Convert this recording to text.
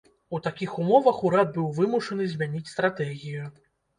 У такіх умовах урад быў вымушаны змяніць стратэгію.